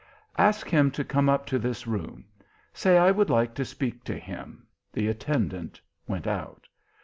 "Ask him to come up to this room. Say I would like to speak to him." The attendant went out.